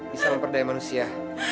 bisa memperdaya manusia